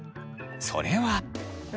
それは。